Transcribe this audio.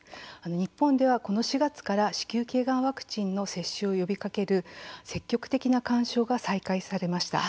日本では、この４月から子宮頸がんワクチンの接種を呼びかける「積極的な勧奨」が再開されました。